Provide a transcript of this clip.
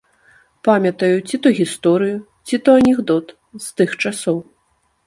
Памятаю ці то гісторыю, ці то анекдот з тых часоў.